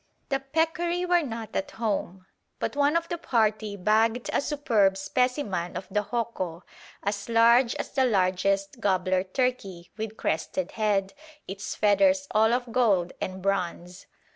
The peccary were not at home, but one of the party bagged a superb specimen of the hoco, as large as the largest gobbler turkey, with crested head, its feathers all of gold and bronze.